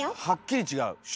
はっきり違う？